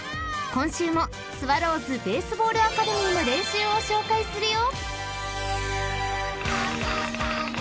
今週もスワローズベースボールアカデミーの練習を紹介するよ］